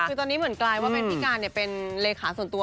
คือตอนนี้เหมือนกลายว่าเป็นพี่การเป็นเลขาส่วนตัว